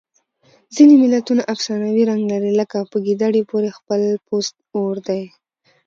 ځینې متلونه افسانوي رنګ لري لکه په ګیدړې پورې خپل پوست اور دی